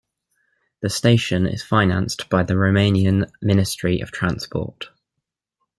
The station is financed by the Romanian Ministry of Transport.